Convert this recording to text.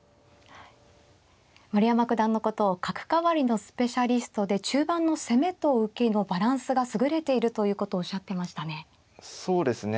丸山九段のことを角換わりのスペシャリストで中盤の攻めと受けのバランスが優れているということをおっしゃってましたね。